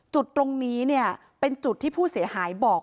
จุดตรงนี้เนี่ยเป็นจุดที่ผู้เสียหายบอก